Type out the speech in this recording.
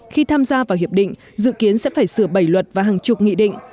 khi tham gia vào hiệp định dự kiến sẽ phải sửa bảy luật và hàng chục nghị định